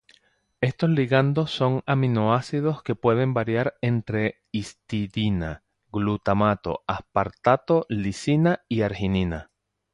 Estos ligandos son aminoácidos que pueden variar entre histidina, glutamato, aspartato, lisina y arginina.